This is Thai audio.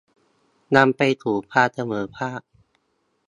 นำไปสู่ความเสมอภาค